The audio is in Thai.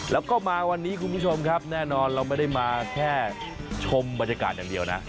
แล้วก็มาวันนี้คุณผู้ชมครับแน่นอนเราไม่ได้มาแค่ชมบรรยากาศอย่างเดียวนะ